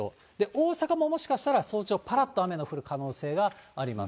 大阪ももしかしたら早朝ぱらっと雨の降る可能性があります。